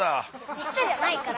手下じゃないから。